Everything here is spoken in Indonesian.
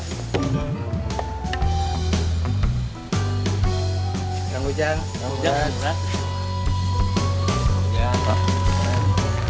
kang ujan kang beran